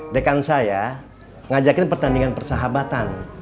dekan saya ngajakin pertandingan persahabatan